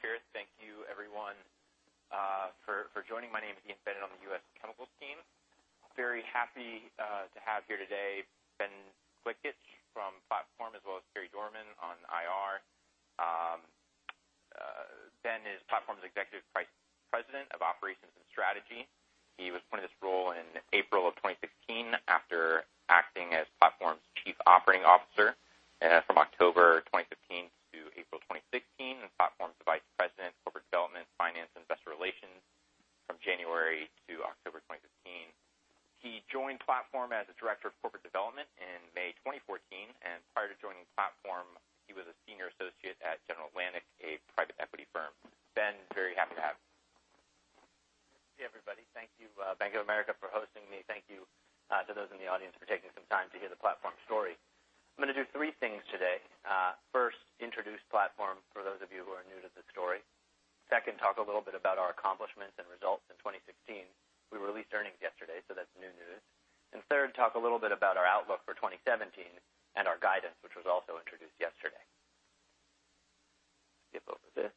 Kick it off here. Thank you everyone for joining. My name is Ian Bennett, on the U.S. Chemicals team. Very happy to have here today, Benjamin Gliklich from Platform, as well as Carey Dorman on IR. Ben is Platform's Executive Vice President of Operations and Strategy. He was appointed this role in April 2016 after acting as Platform's Chief Operating Officer from October 2015-April 2016, and Platform's Vice President of Corporate Development, Finance, Investor Relations from January-October 2015. He joined Platform as a Director of Corporate Development in May 2014, and prior to joining Platform, he was a Senior Associate at General Atlantic, a private equity firm. Ben, very happy to have you. Hey, everybody. Thank you, Bank of America, for hosting me. Thank you to those in the audience for taking some time to hear the Platform story. I'm going to do three things today. First, introduce Platform, for those of you who are new to the story. Second, talk a little bit about our accomplishments and results in 2016. We released earnings yesterday, that's new news. Third, talk a little bit about our outlook for 2017 and our guidance, which was also introduced yesterday. Skip over this.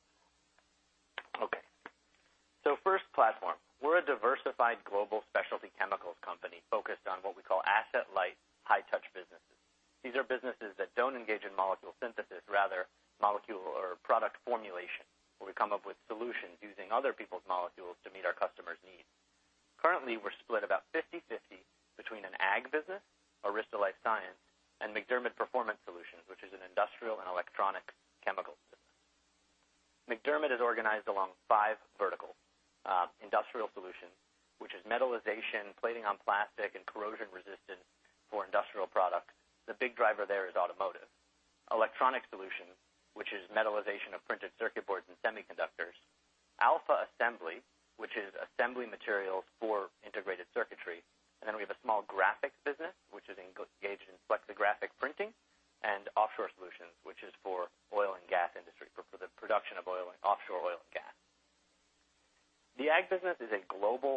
Okay. First, Platform. We're a diversified global specialty chemicals company focused on what we call asset-light, high-touch businesses. These are businesses that don't engage in molecule synthesis, rather molecule or product formulation, where we come up with solutions using other people's molecules to meet our customers' needs. Currently, we're split about 50/50 between an ag business, Arysta LifeScience, and MacDermid Performance Solutions, which is an Industrial and Electronics chemicals business. MacDermid is organized along five verticals. Industrial Solutions, which is metallization, plating on plastic, and corrosion resistance for industrial products. The big driver there is automotive. Electronics Solutions, which is metallization of printed circuit boards and semiconductors. Alpha Assembly, which is assembly materials for integrated circuitry. We have a small graphics business, which is engaged in flexographic printing, and Offshore Solutions, which is for oil and gas industry, for the production of offshore oil and gas. The ag business is a global,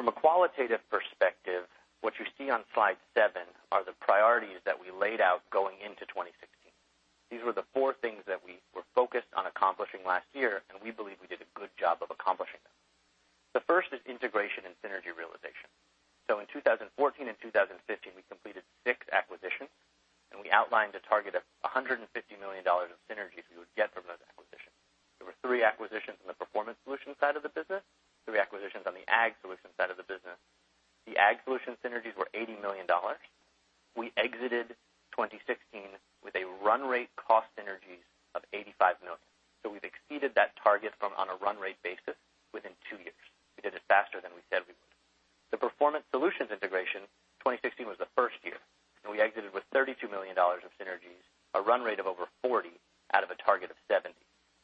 From a qualitative perspective, what you see on slide seven are the priorities that we laid out going into 2016. These were the four things that we were focused on accomplishing last year. We believe we did a good job of accomplishing them. The first is integration and synergy realization. In 2014 and 2015, we completed six acquisitions. We outlined a target of $150 million of synergies we would get from those acquisitions. There were three acquisitions on the Performance Solutions side of the business, three acquisitions on the Ag Solutions side of the business. The Ag Solutions synergies were $80 million. We exited 2016 with a run rate cost synergies of $85 million. We've exceeded that target on a run rate basis within two years. We did it faster than we said we would. The Performance Solutions integration, 2016 was the first year. We exited with $32 million of synergies, a run rate of over $40 out of a target of $70.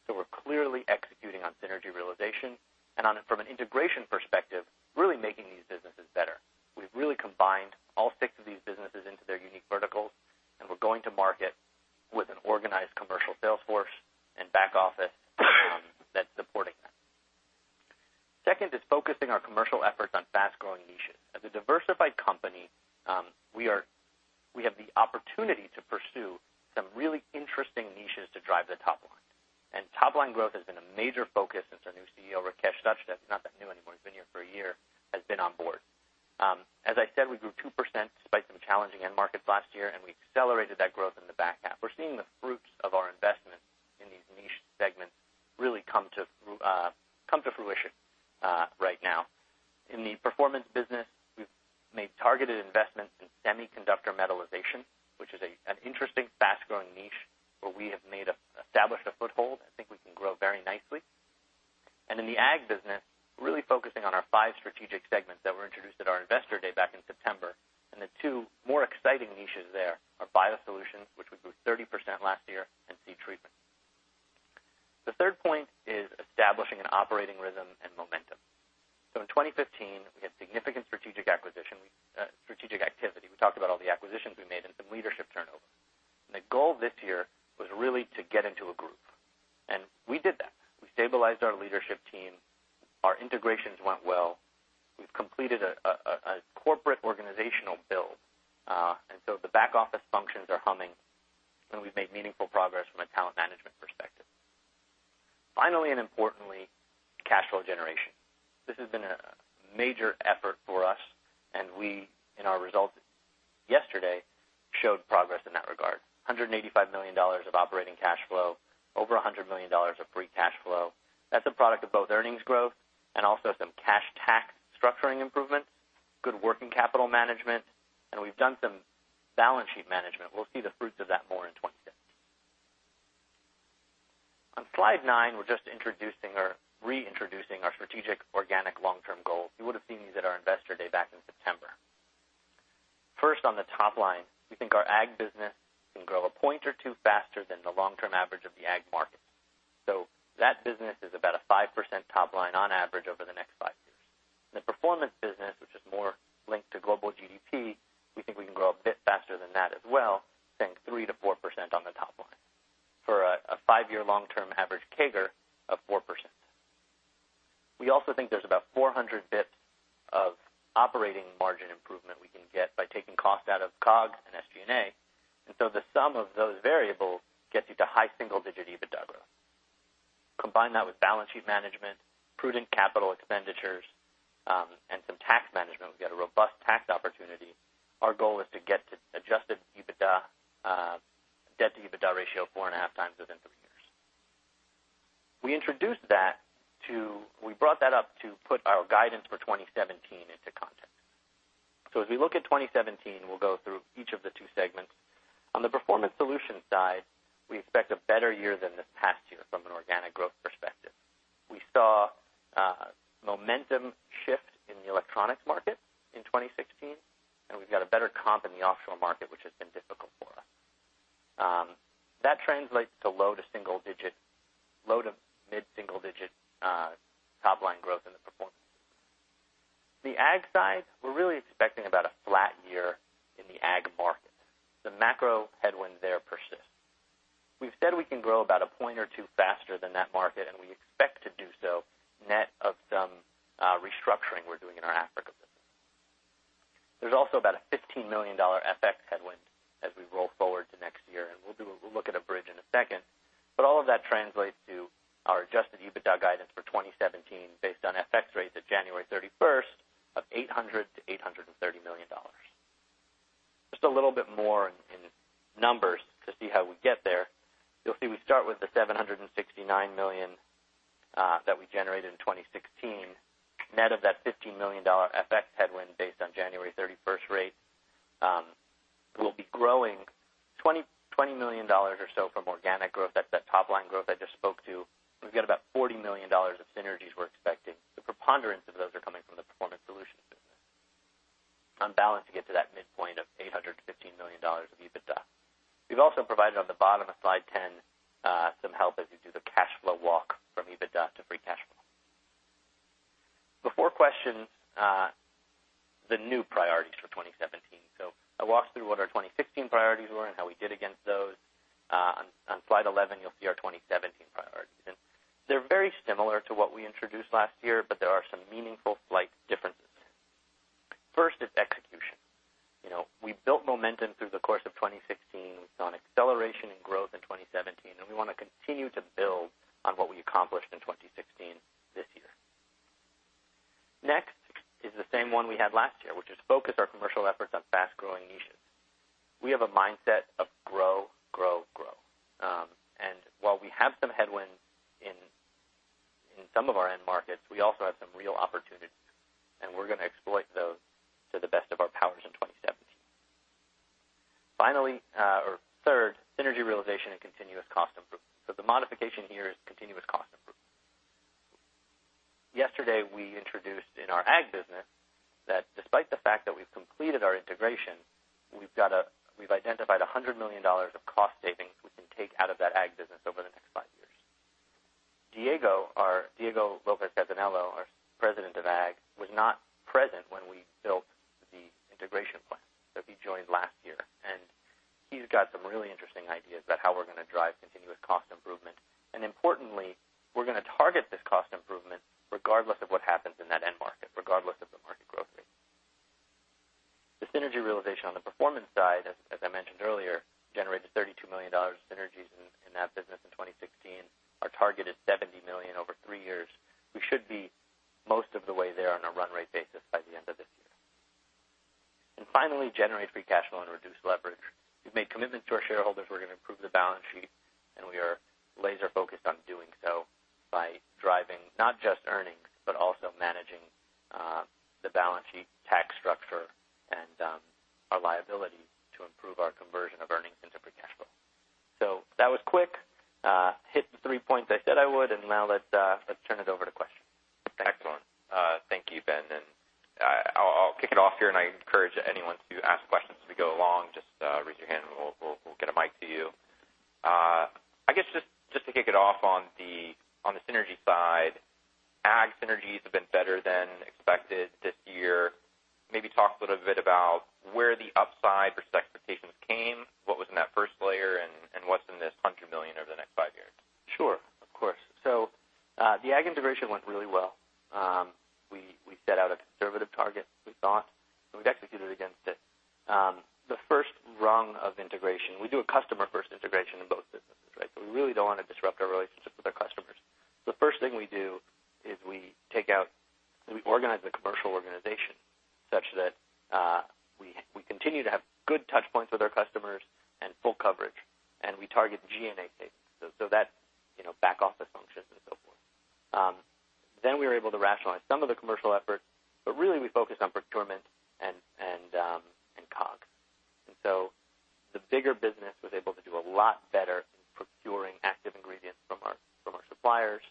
We're clearly executing on synergy realization, and from an integration perspective, really making these businesses better. We've really combined all six of these businesses into their unique verticals. We're going to market with an organized commercial sales force and back office that's supporting that. Second is focusing our commercial efforts on fast-growing niches. As a diversified company, we have the opportunity to pursue some really interesting niches to drive the top line. Top-line growth has been a major focus since our new CEO, Rakesh Sachdev, not that new anymore, he's been here for a year, has been on board. As I said, we grew 2% despite some challenging end markets last year. We accelerated that growth in the back half. We're seeing the fruits of our investments in these niche segments really come to fruition On slide nine, we're just introducing or re-introducing our strategic organic long-term goals. You would have seen these at our investor day back in September. First, on the top line, we think our ag business can grow a point or two faster than the long-term average of the ag market. The business is about a 5% top line on average over the next five years. In the performance business, which is more linked to global GDP, we think we can grow a bit faster than that as well, saying 3%-4% on the top line for a five-year long-term average CAGR of 4%. We also think there's about 400 basis points of operating margin improvement we can get by taking cost out of COGS and SG&A. The sum of those variables gets you to high single-digit EBITDA growth. Combine that with balance sheet management, prudent capital expenditures, and some tax management, we've got a robust tax opportunity. Our goal is to get to adjusted EBITDA, debt-to-EBITDA ratio 4.5 times within three years. We brought that up to put our guidance for 2017 into context. As we look at 2017, we'll go through each of the two segments. On the Performance Solutions side, we expect a better year than this past year from an organic growth perspective. We saw a momentum shift in the Electronics market in 2016, and we've got a better comp in the Offshore market, which has been difficult for us. That translates to low to mid-single-digit top-line growth in the performance. The ag side, we're really expecting about a flat year in the ag market. The macro headwinds there persist. We've said we can grow about a point or two faster than that market, and we expect to do so net of some restructuring we're doing in our Africa business. There's also about a $15 million FX headwind as we roll forward to next year. We'll look at a bridge in a second. All of that translates to our adjusted EBITDA guidance for 2017, based on FX rates of January 31st, of $800 million-$830 million. Just a little bit more in numbers to see how we get there. You'll see we start with the $769 million that we generated in 2016. Net of that $15 million FX headwind based on January 31st rates, we'll be growing $20 million or so from organic growth. That's that top-line growth I just spoke to. We've got about $40 million of synergies we're expecting. The preponderance of those are coming from the Performance Solutions business. On balance, we get to that midpoint of $815 million of EBITDA. We've also provided on the bottom of slide 10 some help as we do the cash flow walk from EBITDA to free cash flow. Before questions, the new priorities for 2017. I walked through what our 2016 priorities were and how we did against those. On slide 11, you'll see our 2017 priorities. They're very similar to what we introduced last year, but there are some meaningful slight differences. First is execution. We built momentum through the course of 2016 on acceleration and growth in 2017, and we want to continue to build on what we accomplished in 2016 this year. Next is the same one we had last year, which is focus our commercial efforts on fast-growing niches. We have a mindset of grow. While we have some headwinds in some of our end markets, we also have some real opportunities, and we're going to exploit those to the best of our powers in 2017. Third, synergy realization and continuous cost improvement. The modification here is continuous cost improvement. Yesterday, we introduced in our ag business that despite the fact that we've completed our integration, we've identified $100 million of cost savings we can take out of that ag business over the next five years. Diego Lopez-Casanello, our President of ag, was not present when we built the integration plan. He joined last year, and he's got some really interesting ideas about how we're going to drive continuous cost improvement. Importantly, we're going to target this cost improvement regardless of what happens in that end market, regardless of the market growth rate. The synergy realization on the performance side, as I mentioned earlier, generated $32 million of synergies in that business in 2016. Our target is $70 million over three years. We should be most of the way there on a run rate basis by the end of this year. Finally, generate free cash flow and reduce leverage. We've made commitments to our shareholders we're going to improve the balance sheet. We are laser focused on doing so by driving not just earnings, but also managing the balance sheet tax structure and our liability to improve our conversion of earnings into free cash flow. That was quick. Hit the three points I said I would. Now let's turn it over to questions. Excellent. Thank you, Ben. I'll kick it off here. I encourage anyone to ask questions as we go along. Just raise your hand. We'll get a mic to you. I guess just to kick it off on the synergy side. Ag synergies have been better than expected this year. Maybe talk a little bit about where the upside versus expectations came, what was in that first layer, and what's in this $100 million over the next five years? Sure. Of course. The Ag integration went really well. We set out a conservative target, we thought. We executed against it. The first rung of integration, we do a customer-first integration in both businesses. We really don't want to disrupt our relationship with our customers. The first thing we do is we organize the commercial organization such that we continue to have good touchpoints with our customers and full coverage. We target G&A savings so that back office functions and so forth. We were able to rationalize some of the commercial efforts, but really, we focused on procurement and COGS. The bigger business was able to do a lot better in procuring active ingredients from our suppliers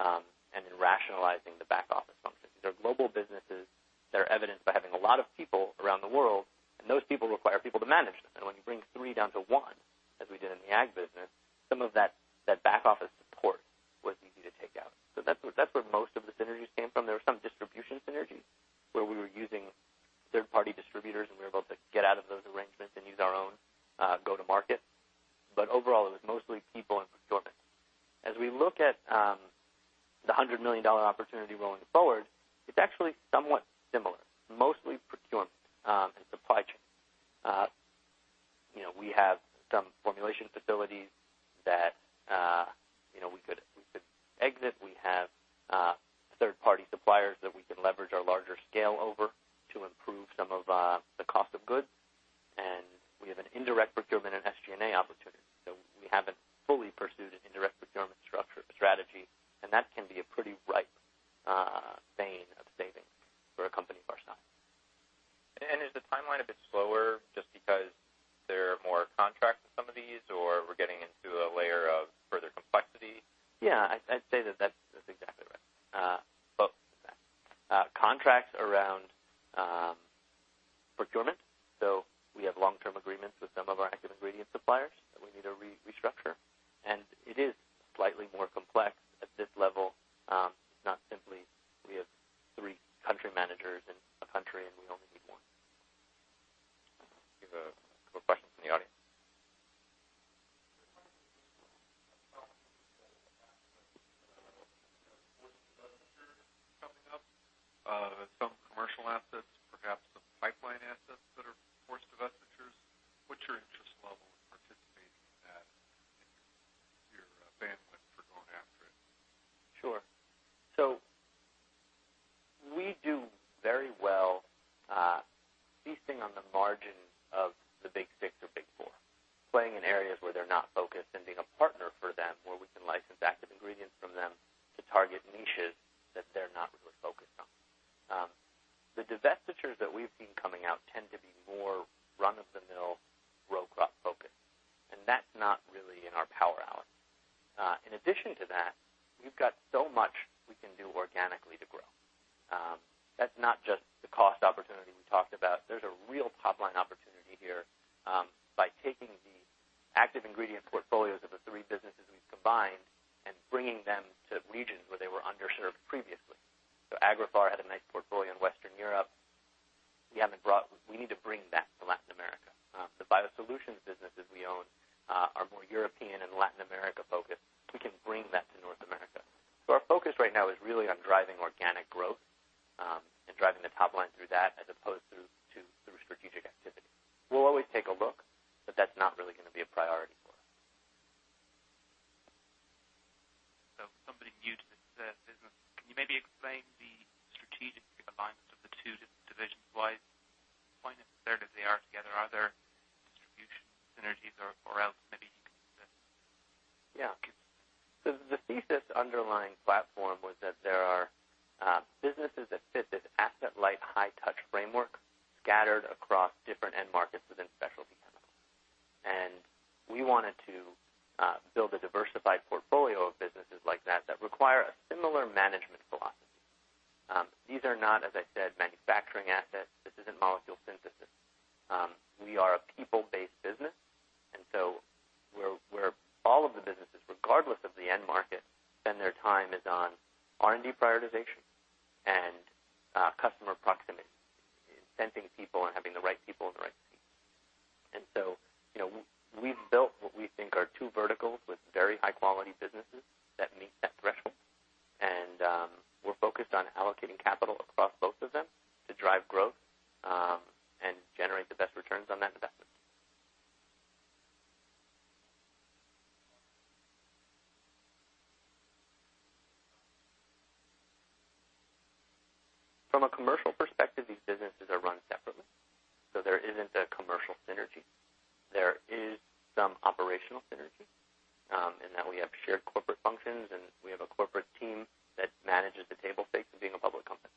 and in rationalizing the back office functions. These are global businesses that are evidenced by having a lot of people around the world, those people require people to manage them. When you bring 3 down to 1, as we did in the Ag business, some of that back office support was easy to take out. That's where most of the synergies came from. There were some distribution synergies where we were using third-party distributors, we were able to get out of those arrangements and use our own go-to-market. Overall, it was mostly people and procurement. As we look at the $100 million opportunity rolling forward, it's actually somewhat similar. Mostly procurement and supply chain. We have some formulation facilities that we could exit. We have third-party suppliers that we can leverage our larger scale over and generate the best returns on that investment. From a commercial perspective, these businesses are run separately. There isn't a commercial synergy. There is some operational synergy, in that we have shared corporate functions, and we have a corporate team that manages the table stakes of being a public company.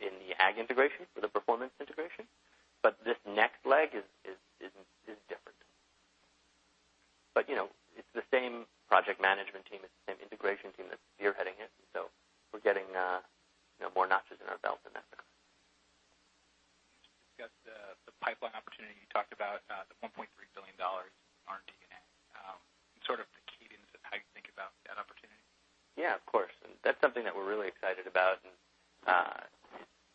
in the Ag integration for the Performance integration. This next leg is different. It's the same project management team, it's the same integration team that's spearheading it. We're getting more notches in our belt in that regard. Just discuss the pipeline opportunity. You talked about the $1.3 billion in R&D. Sort of the cadence of how you think about that opportunity. Yeah, of course. That's something that we're really excited about and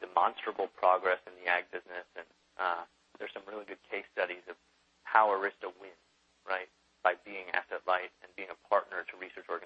demonstrable progress in the ag business. There's some really good case studies of how Arysta wins, right? By being asset light and being a partner to research organizations,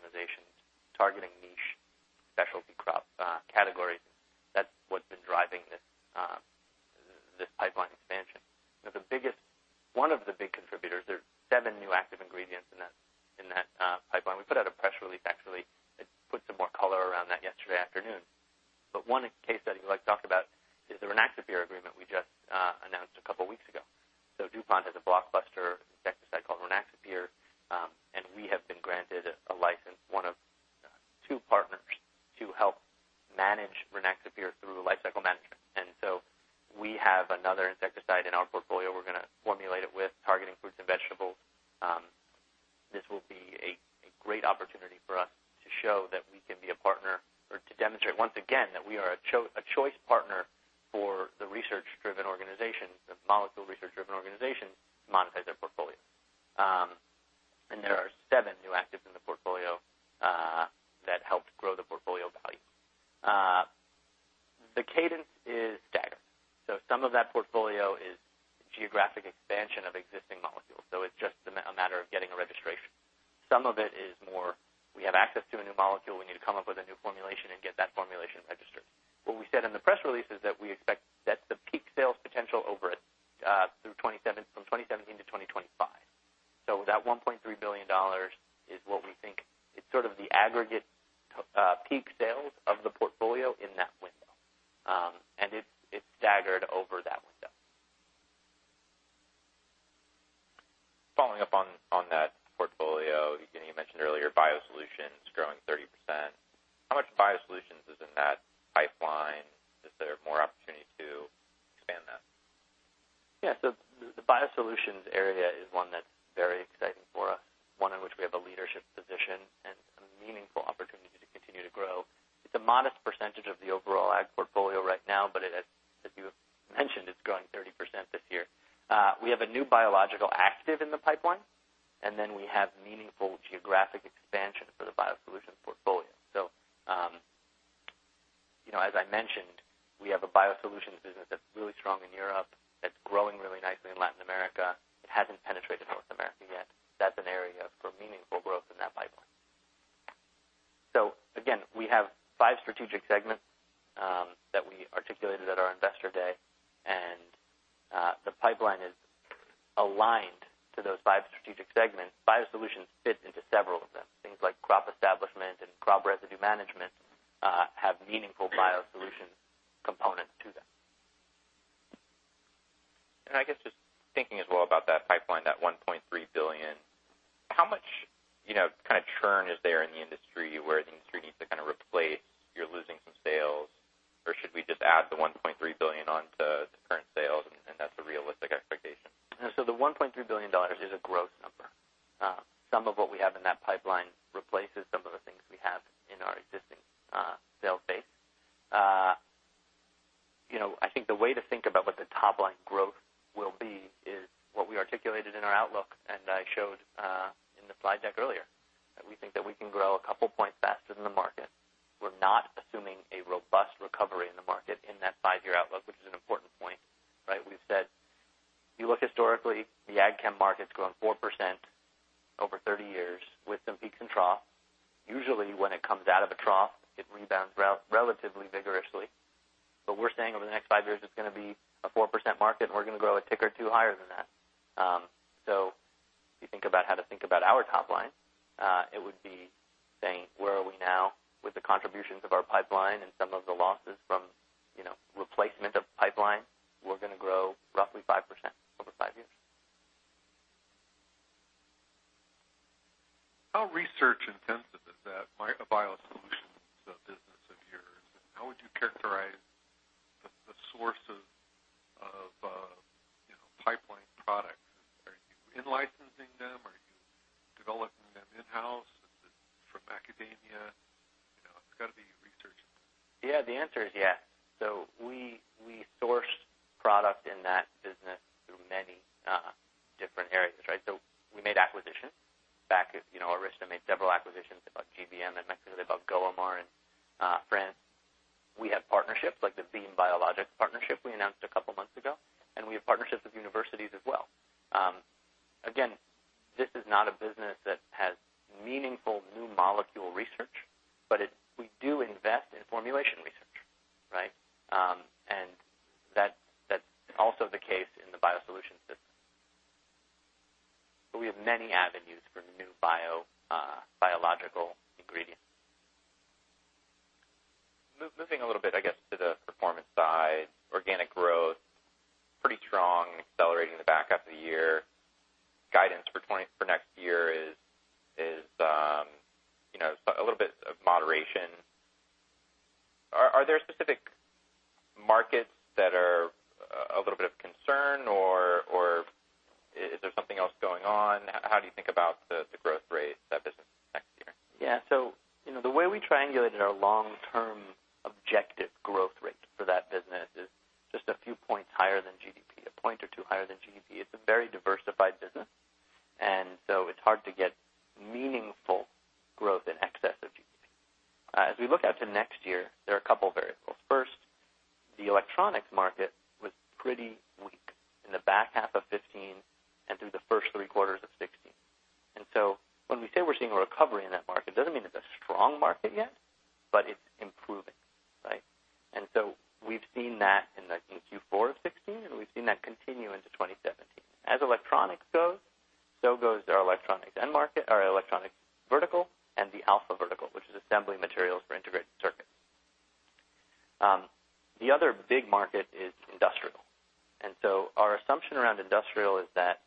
It's a modest percentage of the overall ag portfolio right now, but as you mentioned, it's growing 30% this year. We have a new biological active in the pipeline, then we have meaningful geographic expansion for the BioSolutions portfolio. As I mentioned, we have a BioSolutions business that's really strong in Europe, that's growing really nicely in Latin America. It hasn't penetrated North America yet. That's an area for meaningful growth in that pipeline. Again, we have five strategic segments that we articulated at our Investor Day, and the pipeline is aligned to those five strategic segments. BioSolutions fits into several of them. Things like crop establishment and crop residue management have meaningful BioSolutions components to them. I guess just thinking as well about that pipeline, that $1.3 billion, how much kind of churn is there in the industry where the industry needs to kind of replace, you're losing some sales, or should we just add the $1.3 billion onto the current sales and that's a realistic expectation? The $1.3 billion is a gross number. Some of what we have in that pipeline replaces some of the things we have in our existing sales base. I think the way to think about what the top-line growth will be is what we articulated in our outlook and I showed in the slide deck earlier. That we think that we can grow a couple back. Arysta made several acquisitions. They bought GBM in Mexico. They bought Goëmar in France. We have partnerships like the Beem Biologics partnership we announced a couple of months ago, and we have partnerships with universities as well. Again, this is not a business that has meaningful new molecule research, but we do invest in formulation research, right? That's also the case in the BioSolutions business. We have many avenues for new biological ingredients. Moving a little bit, I guess, to the performance side, organic growth, pretty strong, accelerating the back half of the year. Guidance for next year is a little bit of moderation. Are there specific markets that are a little bit of concern, or is there something else going on? How do you think about the growth rate of that business next year? Yeah. The way we triangulated our long-term objective growth rate for that business is just a few points higher than GDP, a point or two higher than GDP. It's a very diversified business, it's hard to get meaningful growth in excess of GDP. As we look out to next year, there are a couple of variables. First, the Electronics market was pretty weak in the back half of 2015 and through the first three quarters of 2016. When we say we're seeing a recovery in that market, it doesn't mean it's a strong market yet, but it's improving. Right? We've seen that in Q4 of 2016, and we've seen that continue into 2017. As Electronics goes, so goes our Electronics end market, our Electronic vertical, and the Alpha vertical, which is assembly materials for integrated circuits. The other big market is Industrial. Our assumption around Industrial is that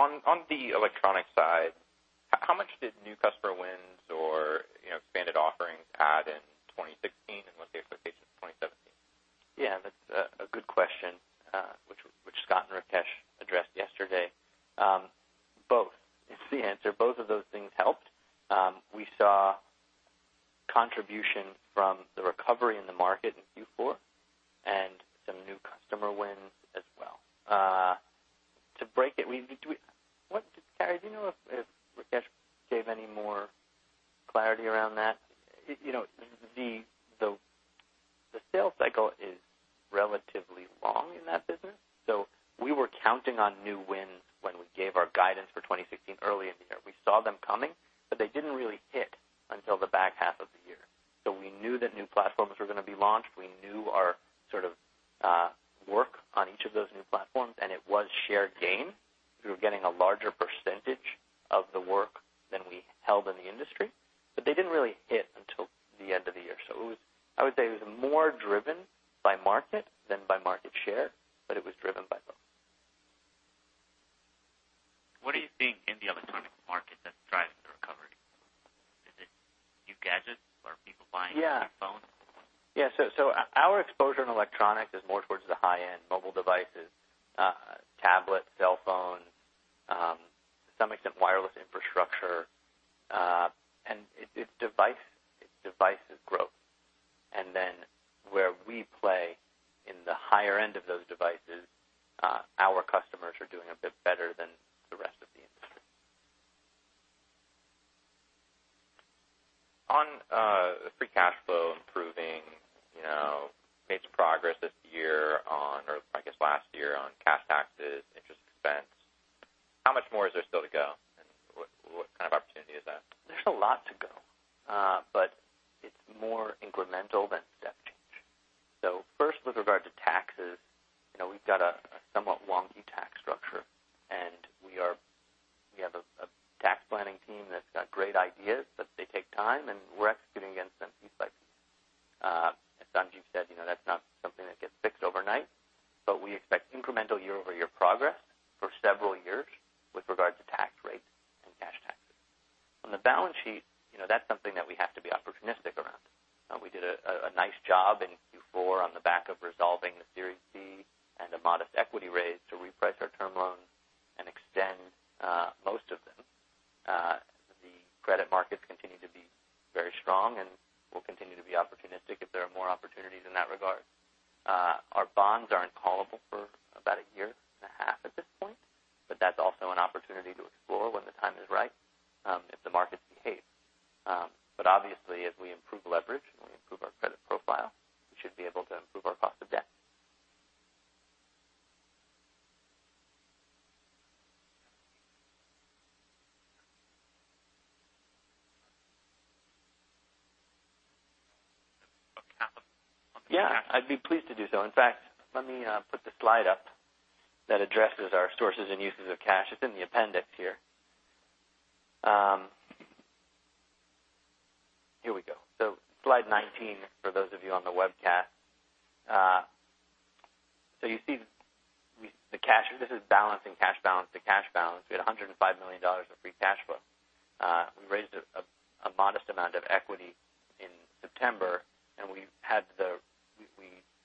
On the Electronic side, how much did new customer wins or expanded offerings add in 2016, and what's the expectation for 2017? Yeah, that's a good question, which Scot and Rakesh addressed yesterday. Both is the answer. Both of those things helped. We saw contribution from the recovery in the market in Q4 and some new customer wins as well. To break it, Carey, do you know if Rakesh gave any more clarity around that? The sales cycle is relatively long in that business. We were counting on new wins when we gave our guidance for 2016 early in the year. We saw them coming, but they didn't really hit until the back half of the year. We knew that new platforms were going to be launched. We knew our work on each of those new platforms, and it was shared gain. We were getting a larger percentage of the work than we held in the industry, but they didn't really hit until the end of the year. I would say it was more driven by market than by market share, but it was driven by both. What do you think in the Electronics market that's driving the recovery? Is it new gadgets or are people buying new phones? Our exposure in Electronics is more towards the high-end mobile devices, tablets, cell phones, to some extent, wireless infrastructure. It's devices growth. Then where we play in the higher end of those devices, our customers are doing a bit better than the rest of the industry. On free cash flow improving, made some progress this year on, or I guess last year, on cash taxes, interest expense. How much more is there still to go, and what kind of opportunity is that? There's a lot to go. It's more incremental than step change. First with regard to taxes, we've got a somewhat wonky tax structure, and we have a tax planning team that's got great ideas, but they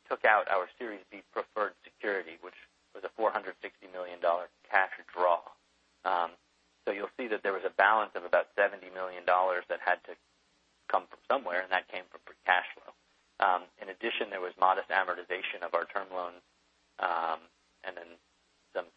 took out our Series B preferred security, which was a $460 million cash draw. You'll see that there was a balance of about $70 million that had to come from somewhere, and that came from free cash flow. In addition, there was modest amortization of our term loan, some